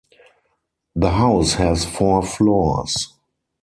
The house has four floors.